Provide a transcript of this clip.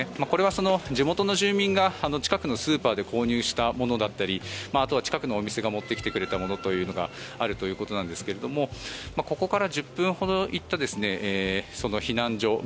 これは地元の住民が近くのスーパーで購入したものだったりあとは近くのお店が持ってきてくれたものがあるということですがここから１０分ほど行った避難所